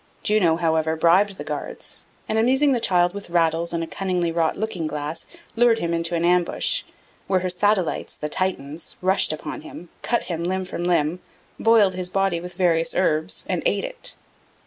Juno, however, bribed the guards, and amusing the child with rattles and a cunningly wrought looking glass lured him into an ambush, where her satellites, the Titans, rushed upon him, cut him limb from limb, boiled his body with various herbs, and ate it.